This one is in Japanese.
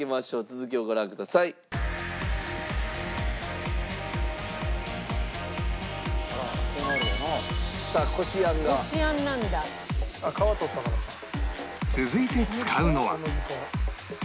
続いて使うのは